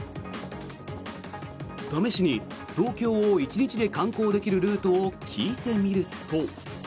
試しに、東京を１日で観光できるルートを聞いてみると。